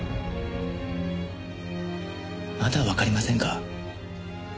まだわかりませんか？